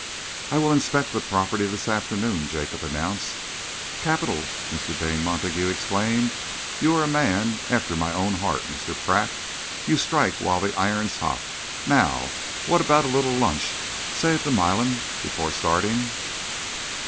"I will inspect the property this afternoon," Jacob announced. "Capital!" Mr. Dane Montague exclaimed. "You are a man after my own heart, Mr. Pratt. You strike while the iron's hot. Now what about a little lunch, say at the Milan, before starting?"